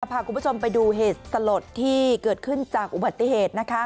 พาคุณผู้ชมไปดูเหตุสลดที่เกิดขึ้นจากอุบัติเหตุ